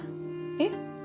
えっ？